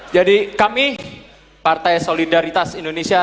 jadi kami partai solidaritas indonesia